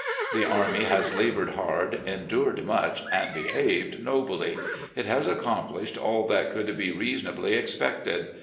The army has laboured hard, endured much, and behaved nobly. It has accomplished aU that could be reasonably expected.